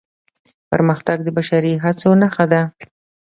پرمختګ د بشري هڅو نښه ده.